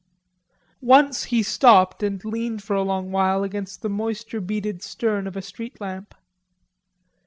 Once he stopped and leaned for a long while against the moisture beaded stern of a street lamp.